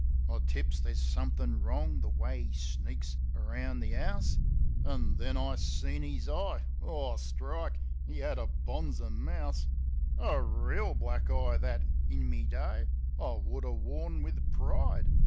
I tips there's somethin' wrong, the way 'e sneaks around the 'ouse. An' then I seen 'is eye. Oh, strike! 'E 'ad a bonzer mouse ! A reel black eye, that, in me day, I would 'a' worn wiv pride.